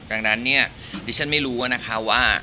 ดังนั้นเนี่ยดิฉันไม่รู้นะคะว่า